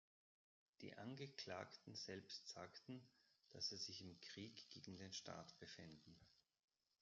Die Angeklagten selbst sagten, dass sie sich im „Krieg gegen den Staat“ befänden.